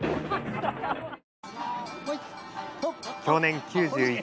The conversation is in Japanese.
享年９１。